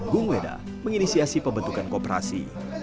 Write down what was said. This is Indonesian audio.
gung weda menginisiasi pembentukan kooperasi